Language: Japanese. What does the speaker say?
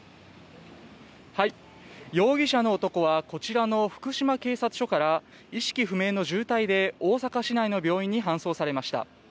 容疑者の男はこちらの福島警察署から意識不明の重体で大阪市内の病院に搬送されました。